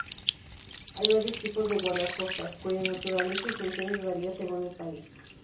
Hay varios tipos de guardacostas, cuya naturaleza y funciones varía según el país.